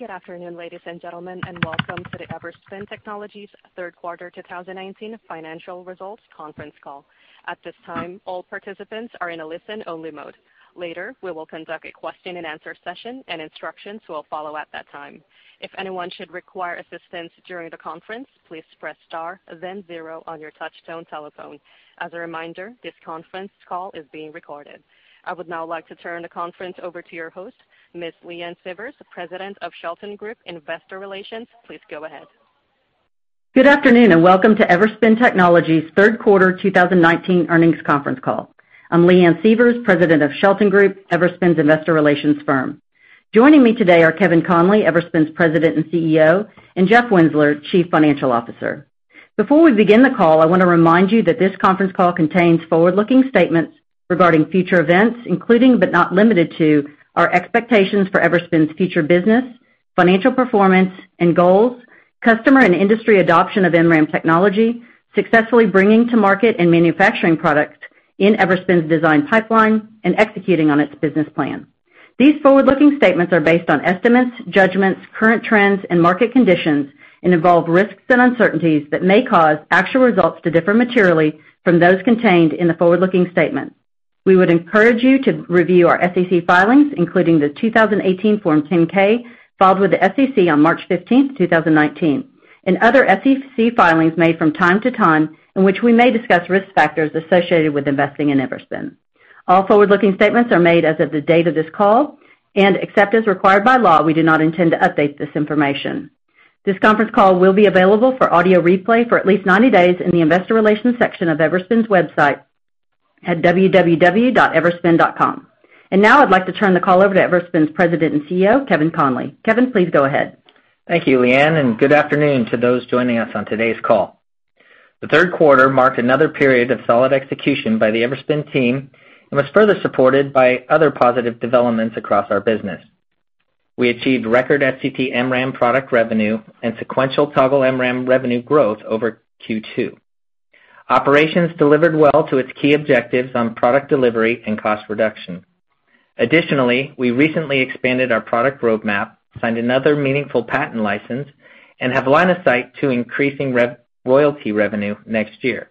Good afternoon, ladies and gentlemen, and welcome to the Everspin Technologies third quarter 2019 financial results conference call. At this time, all participants are in a listen-only mode. Later, we will conduct a question and answer session, and instructions will follow at that time. If anyone should require assistance during the conference, please press star, then zero on your touchtone telephone. As a reminder, this conference call is being recorded. I would now like to turn the conference over to your host, Ms. Leanne Sievers, President of Shelton Group Investor Relations. Please go ahead. Good afternoon, and welcome to Everspin Technologies' third quarter 2019 earnings conference call. I'm Leanne Sievers, President of Shelton Group, Everspin's investor relations firm. Joining me today are Kevin Conley, Everspin's President and CEO, and Jeff Winzeler, Chief Financial Officer. Before we begin the call, I want to remind you that this conference call contains forward-looking statements regarding future events, including, but not limited to, our expectations for Everspin's future business, financial performance, and goals, customer and industry adoption of MRAM technology, successfully bringing to market and manufacturing products in Everspin's design pipeline, and executing on its business plan. These forward-looking statements are based on estimates, judgments, current trends, and market conditions, and involve risks and uncertainties that may cause actual results to differ materially from those contained in the forward-looking statement. We would encourage you to review our SEC filings, including the 2018 Form 10-K filed with the SEC on March 15th, 2019, and other SEC filings made from time to time in which we may discuss risk factors associated with investing in Everspin. All forward-looking statements are made as of the date of this call. Except as required by law, we do not intend to update this information. This conference call will be available for audio replay for at least 90 days in the Investor Relations section of Everspin's website at www.everspin.com. Now I'd like to turn the call over to Everspin's President and CEO, Kevin Conley. Kevin, please go ahead. Thank you, Leanne, and good afternoon to those joining us on today's call. The third quarter marked another period of solid execution by the Everspin team and was further supported by other positive developments across our business. We achieved record STT-MRAM product revenue and sequential Toggle MRAM revenue growth over Q2. Operations delivered well to its key objectives on product delivery and cost reduction. Additionally, we recently expanded our product roadmap, signed another meaningful patent license, and have line of sight to increasing royalty revenue next year.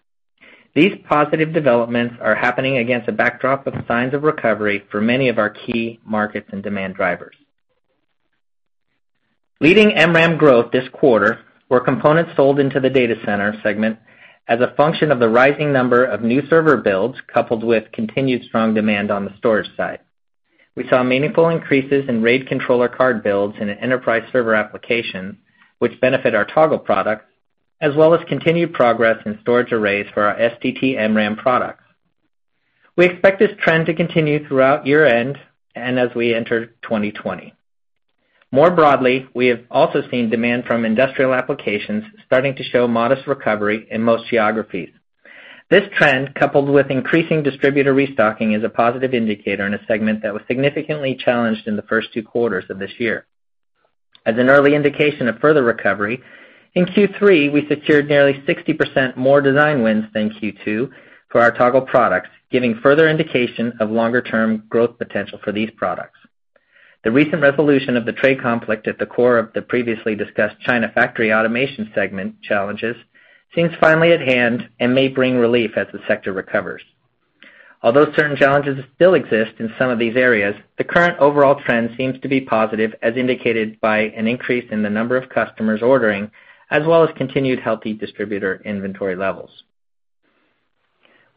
These positive developments are happening against a backdrop of signs of recovery for many of our key markets and demand drivers. Leading MRAM growth this quarter were components sold into the data center segment as a function of the rising number of new server builds, coupled with continued strong demand on the storage side. We saw meaningful increases in RAID controller card builds in an enterprise server application, which benefit our Toggle products, as well as continued progress in storage arrays for our STT-MRAM products. We expect this trend to continue throughout year-end and as we enter 2020. More broadly, we have also seen demand from industrial applications starting to show modest recovery in most geographies. This trend, coupled with increasing distributor restocking, is a positive indicator in a segment that was significantly challenged in the first two quarters of this year. As an early indication of further recovery, in Q3, we secured nearly 60% more design wins than Q2 for our Toggle products, giving further indication of longer-term growth potential for these products. The recent resolution of the trade conflict at the core of the previously discussed China factory automation segment challenges seems finally at hand and may bring relief as the sector recovers. Although certain challenges still exist in some of these areas, the current overall trend seems to be positive, as indicated by an increase in the number of customers ordering, as well as continued healthy distributor inventory levels.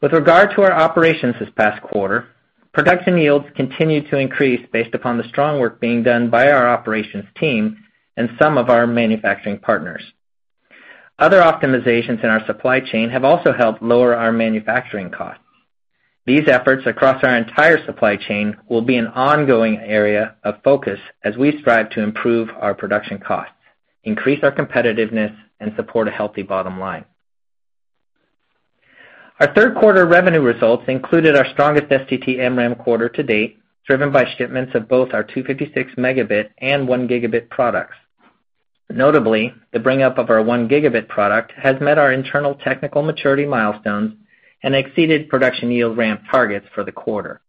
With regard to our operations this past quarter, production yields continued to increase based upon the strong work being done by our operations team and some of our manufacturing partners. Other optimizations in our supply chain have also helped lower our manufacturing costs. These efforts across our entire supply chain will be an ongoing area of focus as we strive to improve our production costs, increase our competitiveness, and support a healthy bottom line. Our third quarter revenue results included our strongest STT-MRAM quarter to date, driven by shipments of both our 256-Mb and 1 Gb products. Notably, the bring-up of our 1 Gb product has met our internal technical maturity milestones and exceeded production yield ramp targets for the quarter.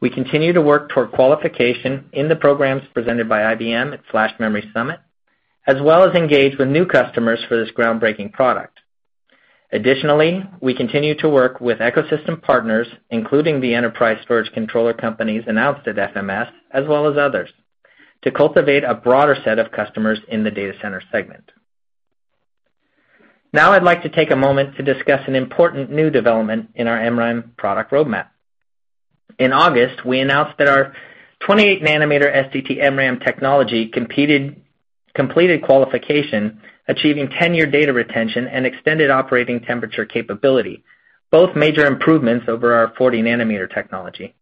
We continue to work toward qualification in the programs presented by IBM at Flash Memory Summit, as well as engage with new customers for this groundbreaking product. Additionally, we continue to work with ecosystem partners, including the enterprise storage controller companies announced at FMS, as well as others, to cultivate a broader set of customers in the data center segment. Now I'd like to take a moment to discuss an important new development in our MRAM product roadmap. In August, we announced that our 28-nm STT-MRAM technology completed qualification, achieving 10-year data retention and extended operating temperature capability, both major improvements over our 40-nm technology.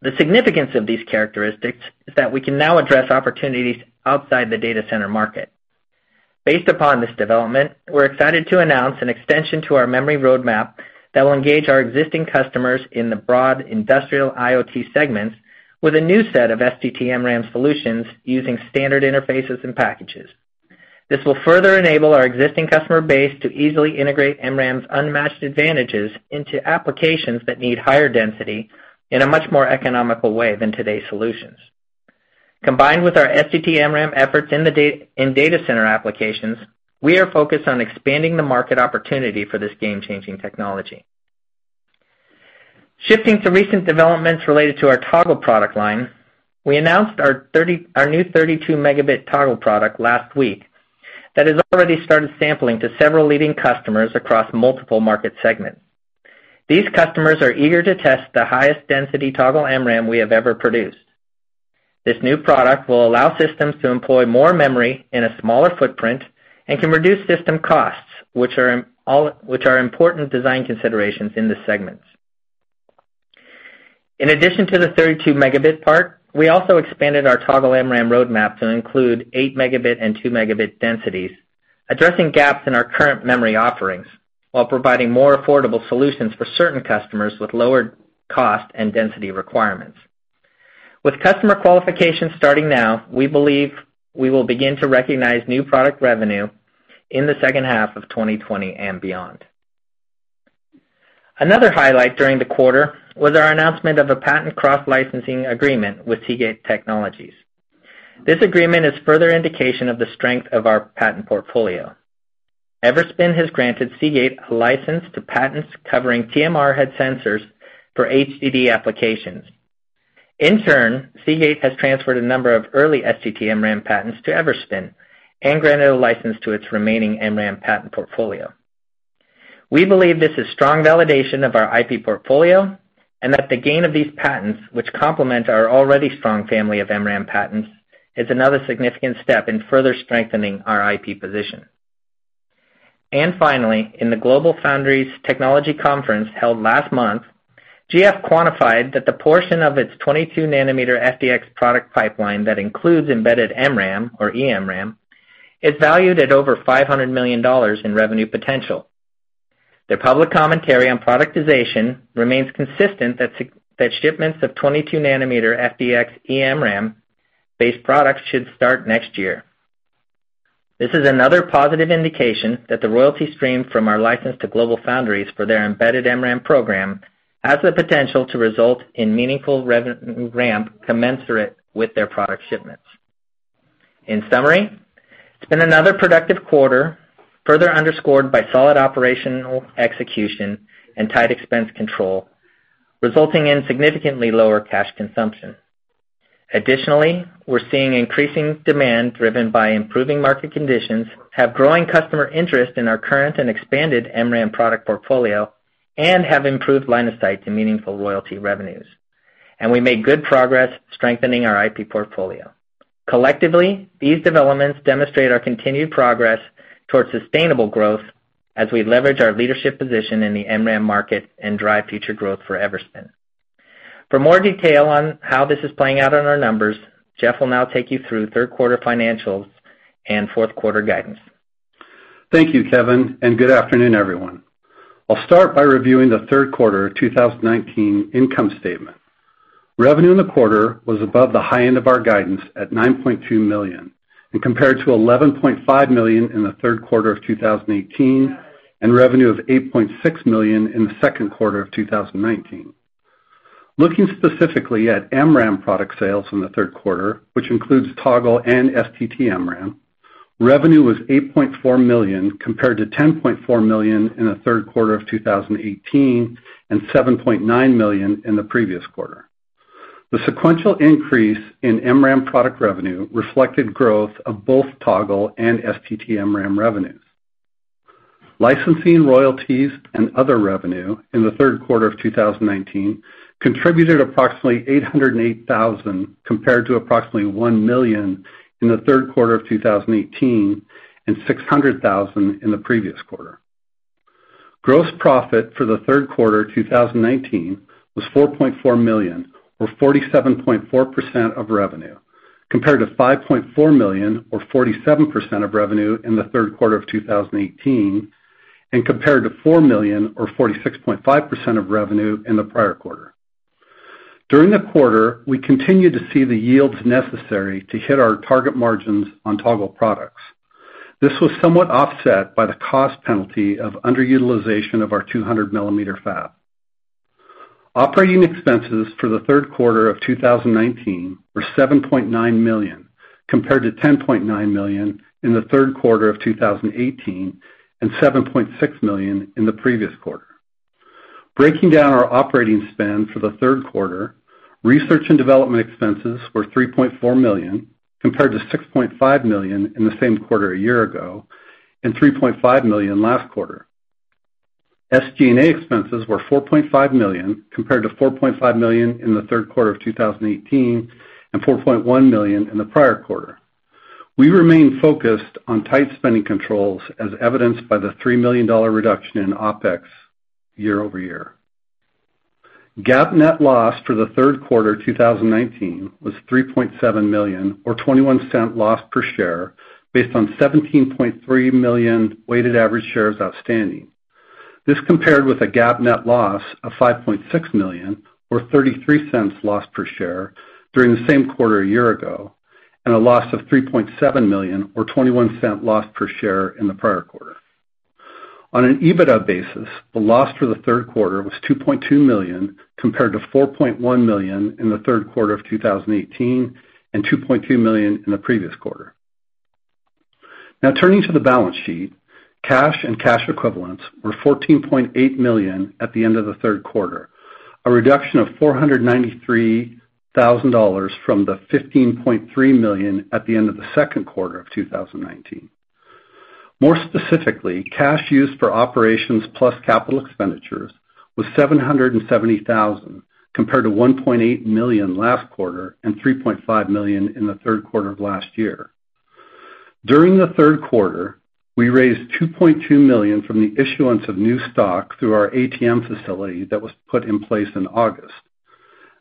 The significance of these characteristics is that we can now address opportunities outside the data center market. Based upon this development, we're excited to announce an extension to our memory roadmap that will engage our existing customers in the broad industrial IoT segments with a new set of STT-MRAM solutions using standard interfaces and packages. This will further enable our existing customer base to easily integrate MRAM's unmatched advantages into applications that need higher density in a much more economical way than today's solutions. Combined with our STT-MRAM efforts in data center applications, we are focused on expanding the market opportunity for this game-changing technology. Shifting to recent developments related to our Toggle product line, we announced our new 32 Mb Toggle product last week that has already started sampling to several leading customers across multiple market segments. These customers are eager to test the highest density Toggle MRAM we have ever produced. This new product will allow systems to employ more memory in a smaller footprint and can reduce system costs, which are important design considerations in the segments. In addition to the 32 Mb part, we also expanded our Toggle MRAM roadmap to include eight-megabit and two-megabit densities, addressing gaps in our current memory offerings while providing more affordable solutions for certain customers with lower cost and density requirements. With customer qualifications starting now, we believe we will begin to recognize new product revenue in the second half of 2020 and beyond. Another highlight during the quarter was our announcement of a patent cross-licensing agreement with Seagate Technology. This agreement is further indication of the strength of our patent portfolio. Everspin has granted Seagate a license to patents covering TMR head sensors for HDD applications. In turn, Seagate has transferred a number of early STT-MRAM patents to Everspin and granted a license to its remaining MRAM patent portfolio. We believe this is strong validation of our IP portfolio, and that the gain of these patents, which complement our already strong family of MRAM patents, is another significant step in further strengthening our IP position. Finally, in the GlobalFoundries Technology Conference held last month, GF quantified that the portion of its 22-nm FDX product pipeline that includes eMRAM, or eMRAM, is valued at over $500 million in revenue potential. Their public commentary on productization remains consistent that shipments of 22-nm FDX eMRAM-based products should start next year. This is another positive indication that the royalty stream from our license to GlobalFoundries for their embedded MRAM program has the potential to result in meaningful revenue ramp commensurate with their product shipments. In summary, it's been another productive quarter, further underscored by solid operational execution and tight expense control, resulting in significantly lower cash consumption. Additionally, we're seeing increasing demand driven by improving market conditions, have growing customer interest in our current and expanded MRAM product portfolio, and have improved line of sight to meaningful royalty revenues. We made good progress strengthening our IP portfolio. Collectively, these developments demonstrate our continued progress towards sustainable growth as we leverage our leadership position in the MRAM market and drive future growth for Everspin. For more detail on how this is playing out on our numbers, Jeff will now take you through third quarter financials and fourth quarter guidance. Thank you, Kevin, and good afternoon, everyone. I'll start by reviewing the third quarter 2019 income statement. Revenue in the quarter was above the high end of our guidance at $9.2 million and compared to $11.5 million in the third quarter of 2018 and revenue of $8.6 million in the second quarter of 2019. Looking specifically at MRAM product sales from the third quarter, which includes Toggle and STT-MRAM, revenue was $8.4 million, compared to $10.4 million in the third quarter of 2018 and $7.9 million in the previous quarter. The sequential increase in MRAM product revenue reflected growth of both Toggle and STT-MRAM revenues. Licensing, royalties, and other revenue in the third quarter of 2019 contributed approximately $808,000, compared to approximately $1 million in the third quarter of 2018 and $600,000 in the previous quarter. Gross profit for the third quarter 2019 was $4.4 million, or 47.4% of revenue, compared to $5.4 million, or 47% of revenue in the third quarter of 2018, and compared to $4 million or 46.5% of revenue in the prior quarter. During the quarter, we continued to see the yields necessary to hit our target margins on Toggle products. This was somewhat offset by the cost penalty of underutilization of our 200-mm fab. Operating expenses for the third quarter of 2019 were $7.9 million, compared to $10.9 million in the third quarter of 2018 and $7.6 million in the previous quarter. Breaking down our operating spend for the third quarter, research and development expenses were $3.4 million, compared to $6.5 million in the same quarter a year ago and $3.5 million last quarter. SGA expenses were $4.5 million, compared to $4.5 million in the third quarter of 2018 and $4.1 million in the prior quarter. We remain focused on tight spending controls, as evidenced by the $3 million reduction in OpEx year-over-year. GAAP net loss for the third quarter 2019 was $3.7 million, or $0.21 loss per share based on 17.3 million weighted average shares outstanding. This compared with a GAAP net loss of $5.6 million, or $0.33 loss per share during the same quarter a year ago, and a loss of $3.7 million or $0.21 loss per share in the prior quarter. On an EBITDA basis, the loss for the third quarter was $2.2 million, compared to $4.1 million in the third quarter of 2018 and $2.2 million in the previous quarter. Now turning to the balance sheet. Cash and cash equivalents were $14.8 million at the end of the third quarter, a reduction of $493,000 from the $15.3 million at the end of the second quarter of 2019. More specifically, cash used for operations plus capital expenditures was $770,000, compared to $1.8 million last quarter and $3.5 million in the third quarter of last year. During the third quarter, we raised $2.2 million from the issuance of new stock through our ATM facility that was put in place in August.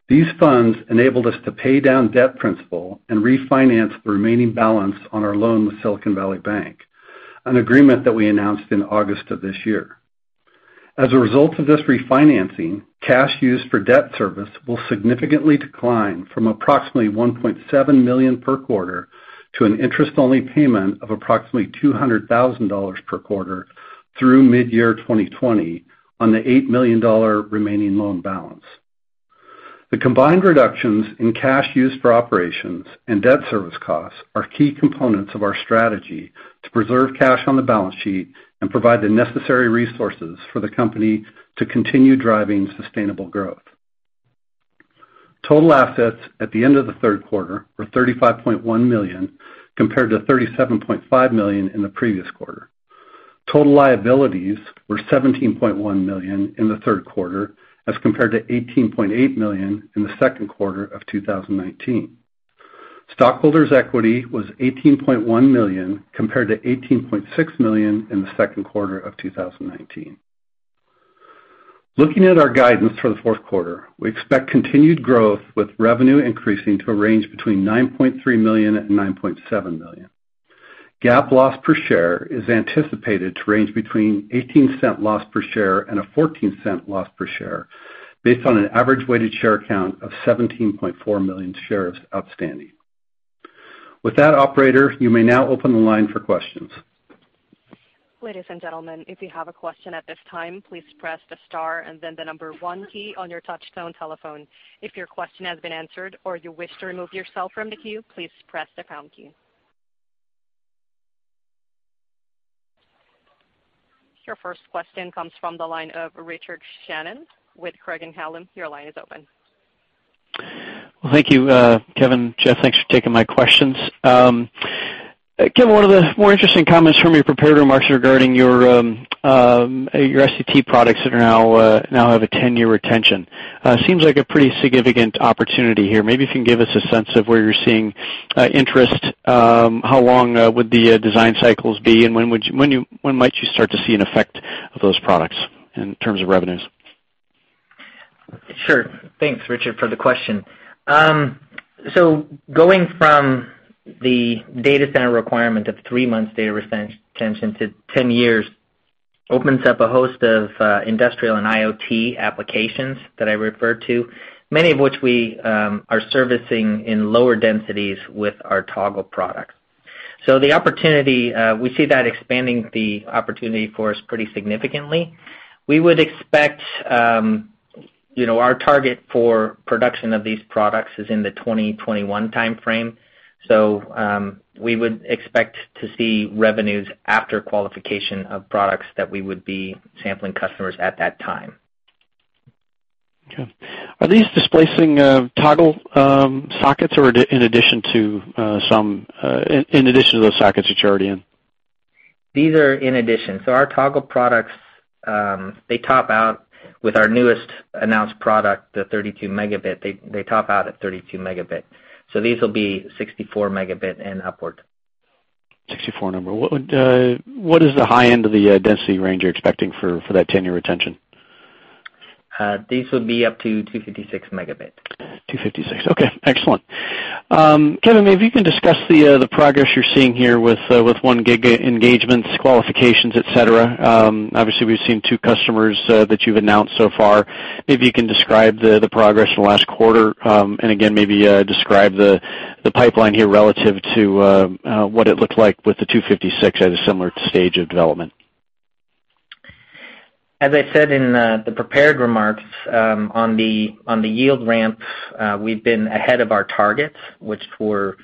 These funds enabled us to pay down debt principal and refinance the remaining balance on our loan with Silicon Valley Bank, an agreement that we announced in August of this year. As a result of this refinancing, cash used for debt service will significantly decline from approximately $1.7 million per quarter to an interest-only payment of approximately $200,000 per quarter through mid-year 2020 on the $8 million remaining loan balance. The combined reductions in cash used for operations and debt service costs are key components of our strategy to preserve cash on the balance sheet and provide the necessary resources for the company to continue driving sustainable growth. Total assets at the end of the third quarter were $35.1 million, compared to $37.5 million in the previous quarter. Total liabilities were $17.1 million in the third quarter as compared to $18.8 million in the second quarter of 2019. Stockholders' equity was $18.1 million, compared to $18.6 million in the second quarter of 2019. Looking at our guidance for the fourth quarter, we expect continued growth with revenue increasing to a range between $9.3 million and $9.7 million. GAAP loss per share is anticipated to range between a $0.18 loss per share and a $0.14 loss per share based on an average weighted share count of 17.4 million shares outstanding. With that operator, you may now open the line for questions. Ladies and gentlemen, if you have a question at this time, please press the star and then the number 1 key on your Touch-Tone telephone. If your question has been answered or you wish to remove yourself from the queue, please press the pound key. Your first question comes from the line of Richard Shannon with Craig-Hallum. Your line is open. Well, thank you, Kevin. Jeff, thanks for taking my questions. Kevin, one of the more interesting comments from your prepared remarks regarding your STT products that are now have a 10-year retention. Seems like a pretty significant opportunity here. Maybe you can give us a sense of where you're seeing interest. How long would the design cycles be, and when might you start to see an effect of those products in terms of revenues? Sure. Thanks, Richard, for the question. Going from the data center requirement of three months data retention to 10 years opens up a host of industrial and IoT applications that I referred to, many of which we are servicing in lower densities with our Toggle product. The opportunity, we see that expanding the opportunity for us pretty significantly. We would expect our target for production of these products is in the 2021 timeframe. We would expect to see revenues after qualification of products that we would be sampling customers at that time. Okay. Are these displacing Toggle sockets or in addition to those sockets that you're already in? These are in addition. Our Toggle products, they top out with our newest announced product, the 32 Mb. They top out at 32 Mb. These will be 64 Mb and upward. What is the high end of the density range you're expecting for that 10-year retention? These will be up to 256 Mb. 256 Mb. Okay, excellent. Kevin, maybe if you can discuss the progress you're seeing here with one giga engagements, qualifications, et cetera. Obviously, we've seen two customers that you've announced so far. Maybe you can describe the progress in the last quarter, and again, maybe describe the pipeline here relative to what it looked like with the 256 Gb at a similar stage of development. As I said in the prepared remarks, on the yield ramp, we've been ahead of our targets, which were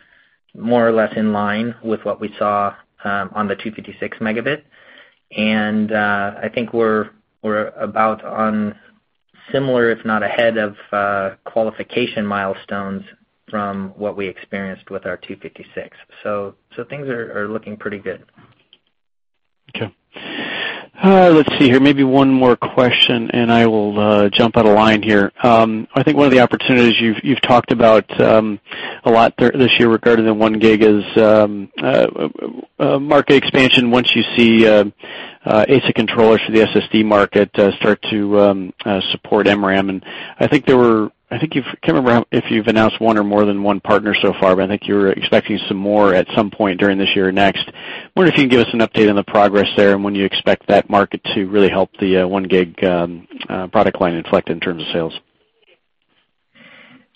more or less in line with what we saw on the 256 Mb. I think we're about on similar if not ahead of qualification milestones from what we experienced with our 256 Gb. Things are looking pretty good. Okay. Let's see here. Maybe one more question, and I will jump out of line here. I think one of the opportunities you've talked about a lot this year regarding the 1 Gb is market expansion once you see ASIC controllers for the SSD market start to support MRAM. I think, Kevin, I don't know if you've announced one or more than one partner so far, but I think you were expecting some more at some point during this year or next. Wonder if you can give us an update on the progress there and when you expect that market to really help the 1 Gb product line inflect in terms of sales?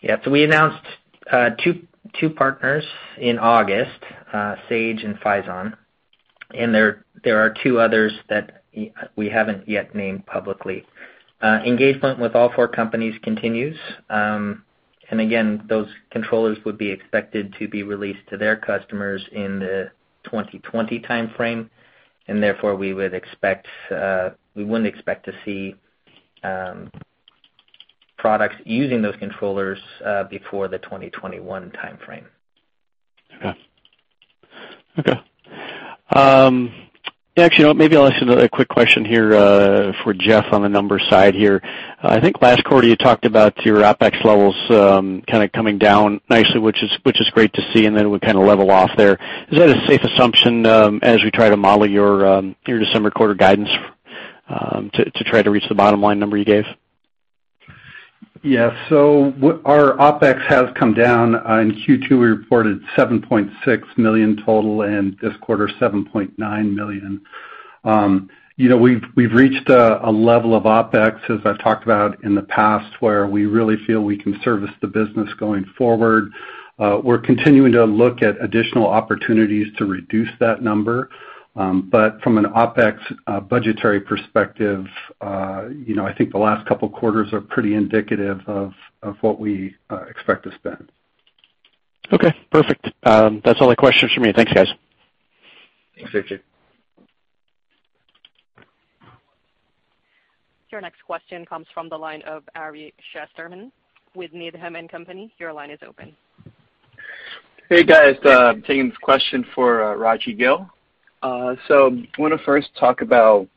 Yeah. We announced two partners in August, Sage and Phison, and there are two others that we haven't yet named publicly. Engagement with all four companies continues. Again, those controllers would be expected to be released to their customers in the 2020 timeframe, and therefore we wouldn't expect to see products using those controllers before the 2021 timeframe. Okay. Actually, maybe I'll ask another quick question here for Jeff on the numbers side here. I think last quarter you talked about your OpEx levels kind of coming down nicely, which is great to see, and then would kind of level off there. Is that a safe assumption as we try to model your December quarter guidance to try to reach the bottom-line number you gave? Our OpEx has come down. In Q2, we reported $7.6 million total, and this quarter, $7.9 million. We've reached a level of OpEx, as I've talked about in the past, where we really feel we can service the business going forward. We're continuing to look at additional opportunities to reduce that number. From an OpEx budgetary perspective, I think the last couple of quarters are pretty indicative of what we expect to spend. Okay, perfect. That's all the questions from me. Thanks, guys. Thanks, Richard. Your next question comes from the line of Ari Shusterman with Needham & Company. Your line is open. Hey, guys. I'm taking this question for Raj Gill. I want to first talk about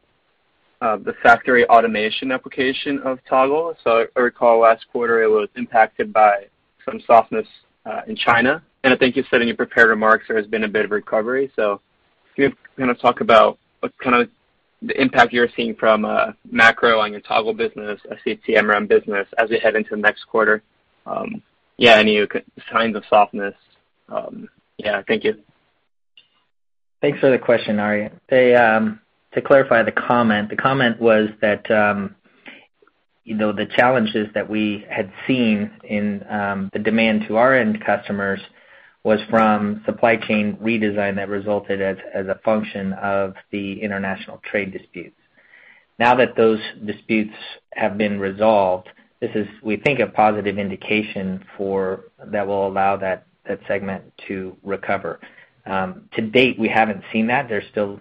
the factory automation application of Toggle. I recall last quarter it was impacted by some softness in China, and I think you said in your prepared remarks there has been a bit of a recovery. Can you kind of talk about the impact you're seeing from macro on your Toggle business, STT-MRAM business as we head into next quarter? Yeah, any signs of softness? Yeah. Thank you. Thanks for the question, Ari. To clarify the comment, the comment was that the challenges that we had seen in the demand to our end customers was from supply chain redesign that resulted as a function of the international trade disputes. Now that those disputes have been resolved, this is, we think, a positive indication that will allow that segment to recover. To date, we haven't seen that. There's still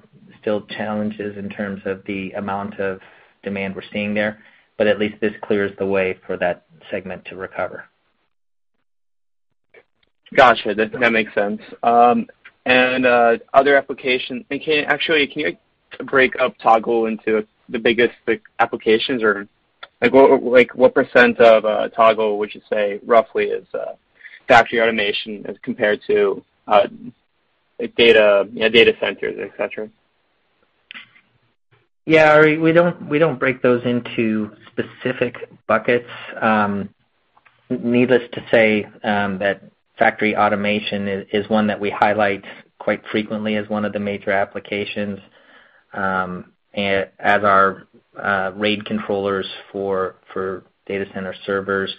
challenges in terms of the amount of demand we're seeing there, but at least this clears the way for that segment to recover. Got you. That makes sense. Other applications, actually, can you break up Toggle into the biggest applications? What percent of Toggle would you say, roughly, is factory automation as compared to data centers, et cetera? Yeah, Ari, we don't break those into specific buckets. Needless to say that factory automation is one that we highlight quite frequently as one of the major applications as our RAID controllers for data center servers.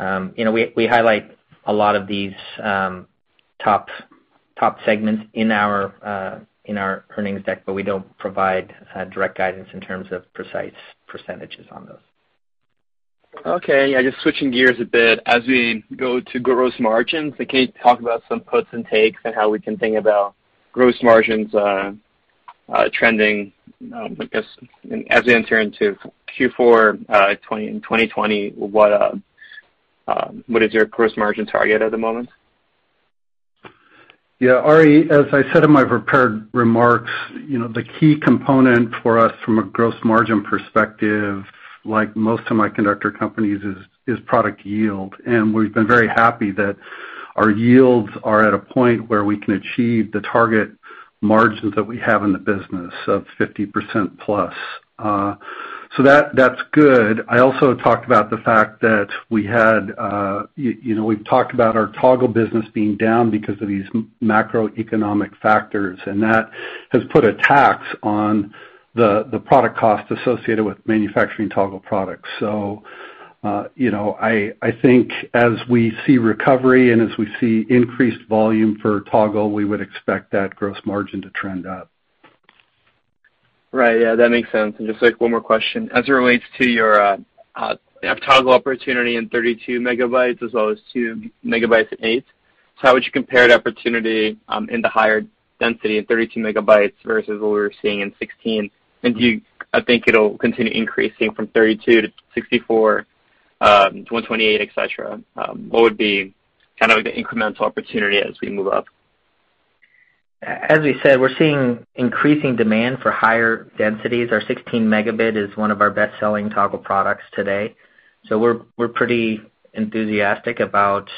We highlight a lot of these top segments in our earnings deck, but we don't provide direct guidance in terms of precise percentages on those. Okay. Yeah, just switching gears a bit as we go to gross margins, can you talk about some puts and takes and how we can think about gross margins trending, I guess, as we enter into Q4 2020? What is your gross margin target at the moment? Ari, as I said in my prepared remarks, the key component for us from a gross margin perspective, like most semiconductor companies, is product yield, and we've been very happy that our yields are at a point where we can achieve the target margins that we have in the business of 50%+. That's good. I also talked about the fact that we've talked about our Toggle business being down because of these macroeconomic factors, and that has put a tax on the product cost associated with manufacturing Toggle products. I think as we see recovery and as we see increased volume for Toggle, we would expect that gross margin to trend up. Right. Yeah, that makes sense. Just one more question. As it relates to your Toggle opportunity in 32 Mb as well as 2 Mb and 8 Mb, how would you compare the opportunity in the higher density in 32 Mb versus what we were seeing in 16 Mb? Do you think it'll continue increasing from 32 Mb to 64 Mb to 128 Mb, et cetera? What would be the incremental opportunity as we move up? As we said, we're seeing increasing demand for higher densities. Our 16 Mb is one of our best-selling Toggle products today. We're pretty enthusiastic about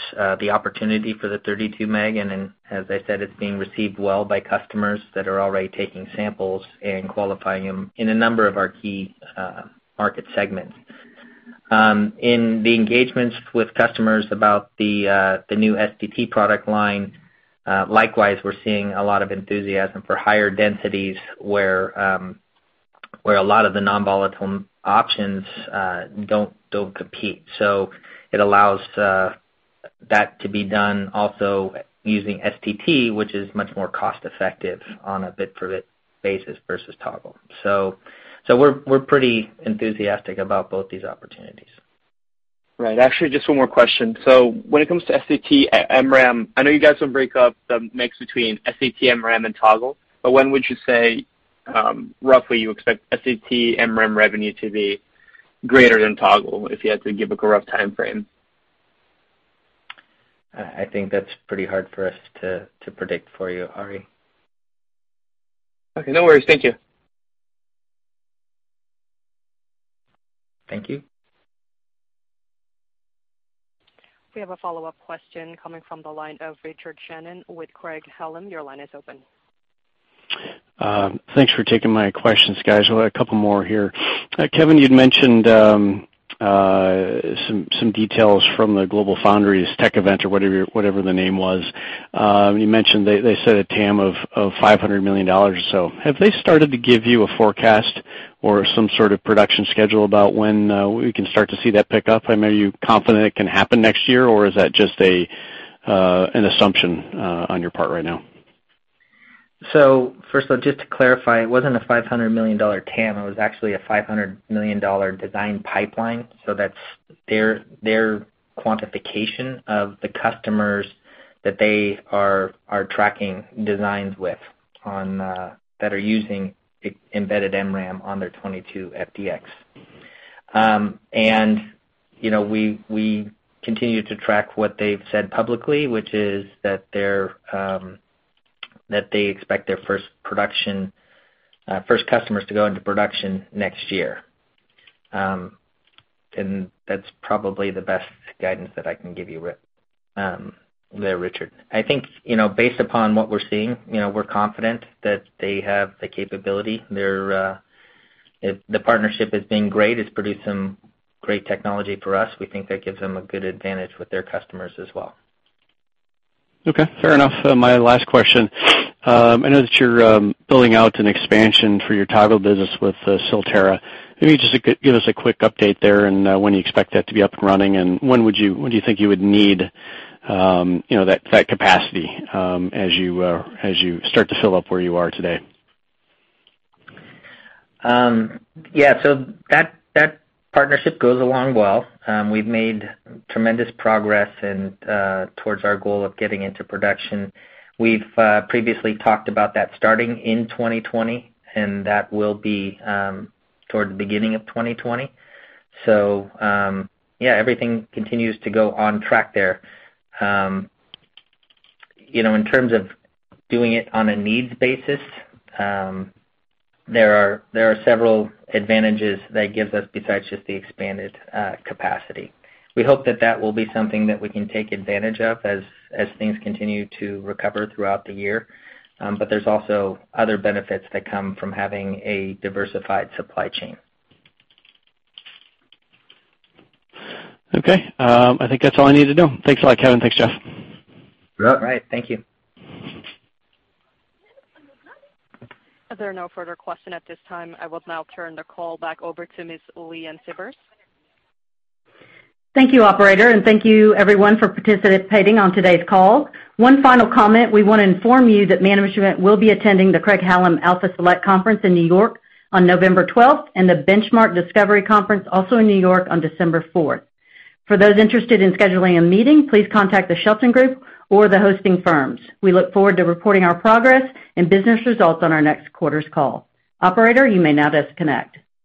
the opportunity for the 32 Mb, and as I said, it's being received well by customers that are already taking samples and qualifying them in a number of our key market segments. In the engagements with customers about the new STT product line, likewise, we're seeing a lot of enthusiasm for higher densities where a lot of the non-volatile options don't compete. It allows that to be done also using STT, which is much more cost-effective on a bit-for-bit basis versus Toggle. We're pretty enthusiastic about both these opportunities. Right. Actually, just one more question. When it comes to STT-MRAM, I know you guys don't break up the mix between STT-MRAM and Toggle, but when would you say, roughly you expect STT-MRAM revenue to be greater than Toggle, if you had to give a concrete timeframe? I think that's pretty hard for us to predict for you, Ari. Okay, no worries. Thank you. Thank you. We have a follow-up question coming from the line of Richard Shannon with Craig-Hallum. Your line is open. Thanks for taking my questions, guys. I have a couple more here. Kevin, you'd mentioned some details from the GlobalFoundries tech event or whatever the name was. You mentioned they set a TAM of $500 million or so. Have they started to give you a forecast or some sort of production schedule about when we can start to see that pick up? Are you confident it can happen next year, or is that just an assumption on your part right now? First of all, just to clarify, it wasn't a $500 million TAM, it was actually a $500 million design pipeline. That's their quantification of the customers that they are tracking designs with, that are using embedded MRAM on their 22FDX. We continue to track what they've said publicly, which is that they expect their first customers to go into production next year. That's probably the best guidance that I can give you there, Richard. I think, based upon what we're seeing, we're confident that they have the capability. The partnership has been great. It's produced some great technology for us. We think that gives them a good advantage with their customers as well. Okay, fair enough. My last question. I know that you're building out an expansion for your Toggle business with Silterra. Maybe just give us a quick update there and when you expect that to be up and running, and when do you think you would need that capacity as you start to fill up where you are today? That partnership goes along well. We've made tremendous progress towards our goal of getting into production. We've previously talked about that starting in 2020, and that will be toward the beginning of 2020. Everything continues to go on track there. In terms of doing it on a needs basis, there are several advantages that it gives us besides just the expanded capacity. We hope that that will be something that we can take advantage of as things continue to recover throughout the year. There's also other benefits that come from having a diversified supply chain. Okay. I think that's all I need to know. Thanks a lot, Kevin. Thanks, Jeff. You're welcome. There are no further questions at this time. I will now turn the call back over to Ms. Leanne Sievers. Thank you, operator, and thank you everyone for participating on today's call. One final comment, we want to inform you that management will be attending the Craig-Hallum Alpha Select Conference in New York on November 12th and the Benchmark Discovery Conference also in New York on December 4th. For those interested in scheduling a meeting, please contact The Shelton Group or the hosting firms. We look forward to reporting our progress and business results on our next quarter's call. Operator, you may now disconnect.